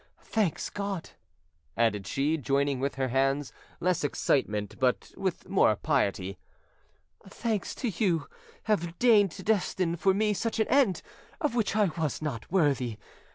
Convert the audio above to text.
Thanks, God," added she, joining her hands with less excitement but with more piety, "thanks that You have deigned to destine for me such an end, of which I was not worthy.